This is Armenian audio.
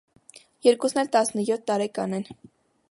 Երկուսն էլ տասնյոթ տարեկան են։